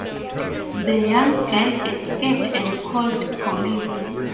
The young girl escaped and called police.